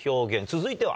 続いては？